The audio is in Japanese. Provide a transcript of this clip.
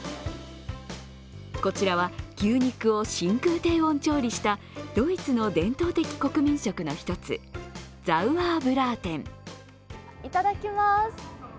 こちらは牛肉を真空低温調理したドイツの伝統的国民食の１つザウアーブラーテン。